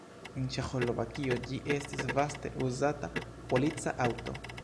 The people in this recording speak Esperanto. En Ĉeĥoslovakio ĝi estis vaste uzata polica aŭto.